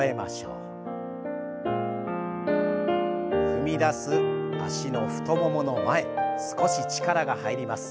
踏み出す脚の太ももの前少し力が入ります。